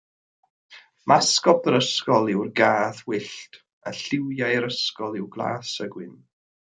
Masgot yr ysgol yw'r gath wyllt, a lliwiau'r ysgol yw glas a gwyn.